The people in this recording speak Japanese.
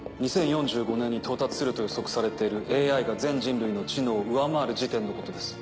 ２０４５年に到達すると予測されているＡＩが全人類の知能を上回る時点のことです。